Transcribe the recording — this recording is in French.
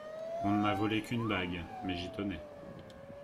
On ne m’a volé qu’une bague… mais j’y tenais.